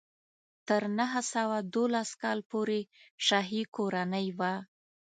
تر نهه سوه دولس کال پورې شاهي کورنۍ وه.